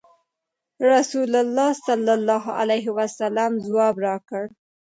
رسول الله صلی الله علیه وسلم ځواب راکړ.